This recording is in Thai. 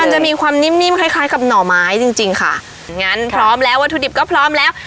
จะมีความนิ่มคล้ายคล้ายกับหน่อไม้จริงจริงค่ะงั้นพร้อมแล้ววัตถุดิบก็พร้อมแล้ว